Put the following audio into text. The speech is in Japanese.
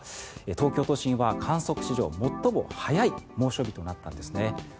東京都心は観測史上最も早い猛暑日となったんですね。